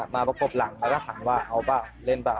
ประกบหลังแล้วก็ถามว่าเอาเปล่าเล่นเปล่า